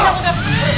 gimana sih dia